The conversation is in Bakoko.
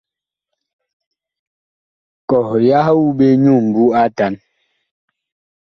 Kɔh yah wu ɓe nyu ŋmbu atan.